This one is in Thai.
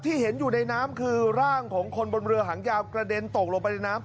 เห็นอยู่ในน้ำคือร่างของคนบนเรือหางยาวกระเด็นตกลงไปในน้ำ